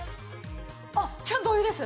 あっちゃんとお湯です。